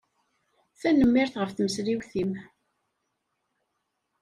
Tanemmirt ɣef tmesliwt-im.